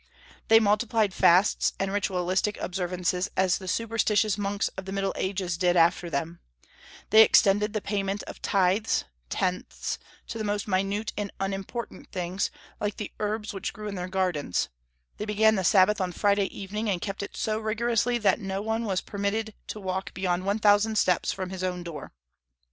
They multiplied fasts and ritualistic observances as the superstitious monks of the Middle Ages did after them; they extended the payment of tithes (tenths) to the most minute and unimportant things, like the herbs which grew in their gardens; they began the Sabbath on Friday evening, and kept it so rigorously that no one was permitted to walk beyond one thousand steps from his own door.